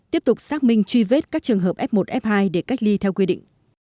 tiếp tục xác minh truy vết các trường hợp f một f hai để cách ly theo quy định